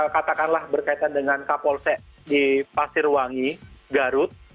katakanlah berkaitan dengan kapolsek di pasirwangi garut